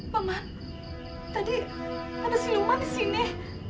mama tadi ada siluman di sini